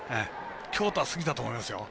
京都は過ぎたと思いますよ